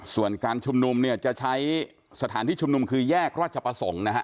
ส่วนการชุมนุมเนี่ยจะใช้สถานที่ชุมนุมคือแยกราชประสงค์นะฮะ